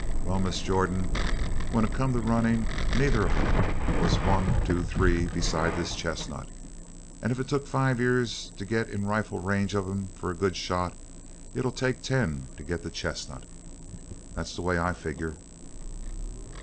Well, Miss Jordan, when it come to running, neither of 'em was one two three beside this chestnut, and if it took five years to get in rifle range of 'em for a good shot, it'll take ten to get the chestnut. That's the way I figure!"